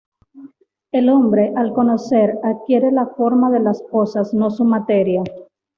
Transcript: El hombre, al conocer, adquiere la "forma" de las cosas, no su materia.